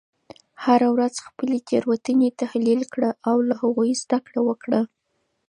هره ورځ خپلې تیروتنې تحلیل کړه او له هغوی زده کړه وکړه.